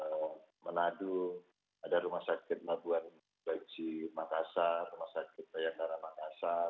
di manado ada rumah sakit nabuhan di makassar rumah sakit daya karam makassar